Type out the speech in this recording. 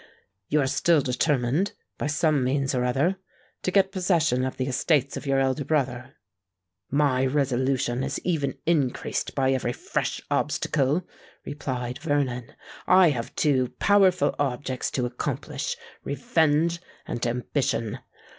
"You are still determined, by some means or other, to get possession of the estates of your elder brother?" "My resolution is even increased by every fresh obstacle," replied Vernon. "I have two powerful objects to accomplish—revenge and ambition.